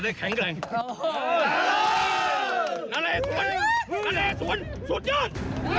นาเลศูนย์นาเลศูนย์สุดยอด